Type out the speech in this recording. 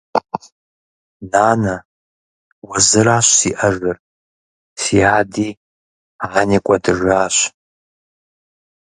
Нанэ… Уэ зыращ сиӀэжыр, си ади ани кӀуэдыжащ.